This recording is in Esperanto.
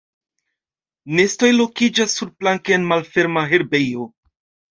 Nestoj lokiĝas surplanke en malferma herbejo.